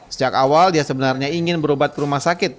sejak awal dia sebenarnya ingin berobat ke rumah sakit